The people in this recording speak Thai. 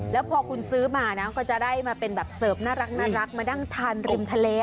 แล้วพอคุณซื้อมานะก็จะได้มาเป็นแบบเสิร์ฟน่ารักมานั่งทานริมทะเล